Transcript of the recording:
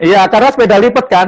iya karena sepeda lipat kan